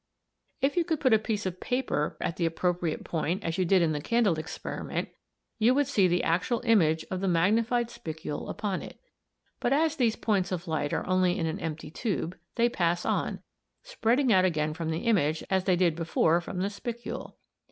If you could put a piece of paper at s´ s´, as you did in the candle experiment, you would see the actual image of the magnified spicule upon it. But as these points of light are only in an empty tube, they pass on, spreading out again from the image, as they did before from the spicule.